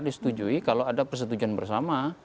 disetujui kalau ada persetujuan bersama